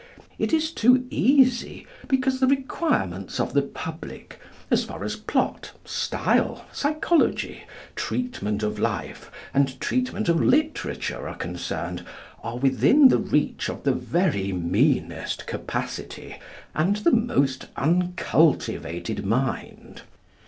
It is too easy, because the requirements of the public as far as plot, style, psychology, treatment of life, and treatment of literature are concerned are within the reach of the very meanest capacity and the most uncultivated mind.